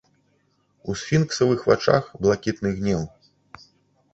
У сфінксавых вачах блакітны гнеў.